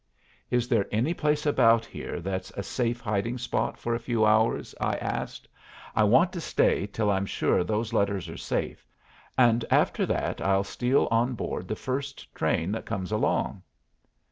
"Is there any place about here that's a safe hiding spot for a few hours?" I asked. "I want to stay till I'm sure those letters are safe, and after that I'll steal on board the first train that comes along."